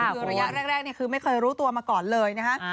คือระยะแรกคือไม่เคยรู้ตัวมาก่อนเลยนะฮะ